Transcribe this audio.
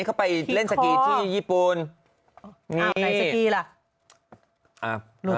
อ้าวไหนสกีล่ะ